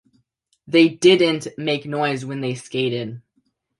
They didn't make noise when they skated.